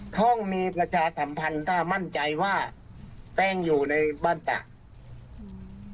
ห้องมีประชาสัมพันธ์ถ้ามั่นใจว่าแป้งอยู่ในบ้านตากอืม